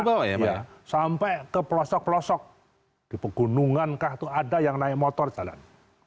sampai ke pelosok pelosok di pegunungan kah itu ada yang naik motor jalan